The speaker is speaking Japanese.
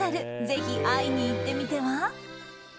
ぜひ会いに行ってみては。